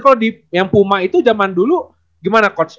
tapi yang puma itu jaman dulu gimana coach